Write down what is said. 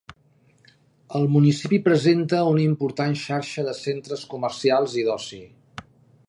El municipi presenta una important xarxa de centres comercials i d'oci.